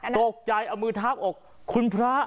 ตกใจเอามือทาบอกคุณพระ